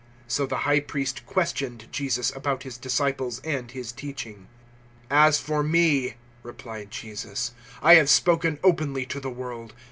018:019 So the High Priest questioned Jesus about His disciples and His teaching. 018:020 "As for me," replied Jesus, "I have spoken openly to the world.